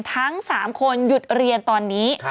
ทั้ง๓คนหยุดเรียนตอนนี้